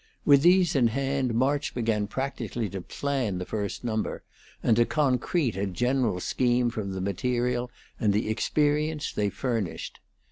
With these in hand March began practically to plan the first number, and to concrete a general scheme from the material and the experience they furnished.